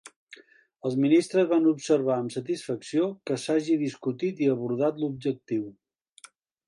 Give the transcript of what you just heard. Els ministres van observar amb satisfacció que s'hagi discutit i abordat l'objectiu